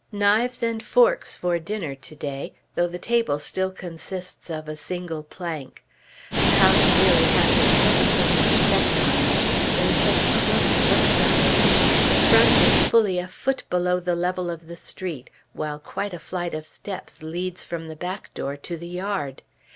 Knives and forks for dinner to day, though the table still consists of a single plank. The house really has a suffocating effect on me, there is such a close look about it. The front is fully a foot below the level of the street, while quite a flight of steps leads from the back door to the yard.